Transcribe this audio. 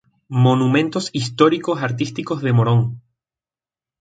Monumentos históricos artísticos de Moron.